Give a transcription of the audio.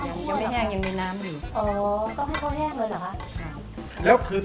ยังยังไม่แห้งยังมีน้ำอยู่อ๋อต้องให้เขาแห้งเลยเหรอคะแล้วคือ